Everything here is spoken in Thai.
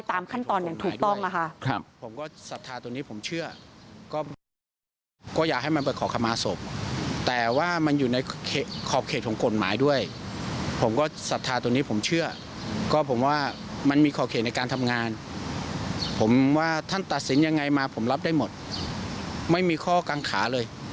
ตามขั้นตอนอย่างถูกต้องนะคะ